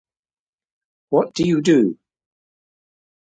What do you do?